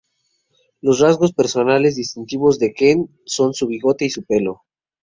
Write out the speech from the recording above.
Los rasgos personales distintivos de Ken son su bigote y su pelo.